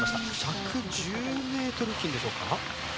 １１０ｍ付近でしょうか。